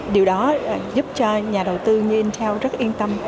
điều đó giúp cho nhà đầu tư như intel rất yên tâm